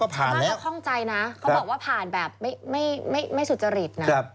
ผ่านค่ะแต่มาก็ข้องใจนะเขาบอกว่าผ่านแบบไม่สุจริตนะ